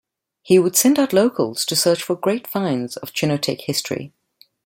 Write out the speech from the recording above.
He would send out locals to search for great finds of Chincoteague history.